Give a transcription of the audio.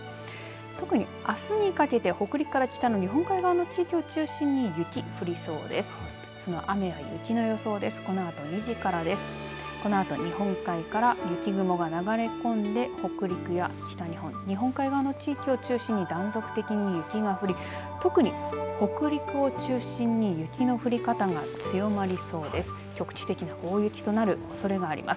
特に朝にかけて北陸から北の日本海側の地域を中心に雪、降りそうです。